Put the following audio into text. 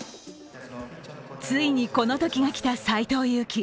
ついに、この時が来た斎藤佑樹。